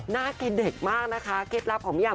น่าเกดเด็กมากนะคะเกล็ดลับของพี่อ๋อม